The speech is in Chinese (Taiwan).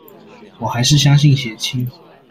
我還是相信血親